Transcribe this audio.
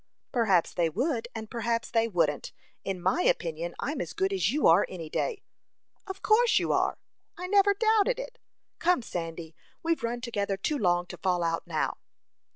"Perhaps they would, and perhaps they wouldn't. In my opinion, I'm as good as you are, any day." "Of course you are; I never doubted it. Come, Sandy, we've run together too long to fall out now."